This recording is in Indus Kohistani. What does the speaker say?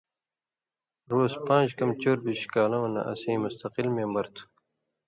رُوس پان٘ژ کم چؤربِش کالؤں نہ اسیں مستقل مېمبر تُھو۔